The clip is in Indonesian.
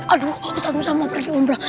aduh ustadz musa mau pergi umrah